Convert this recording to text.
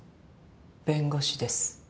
弁護士です。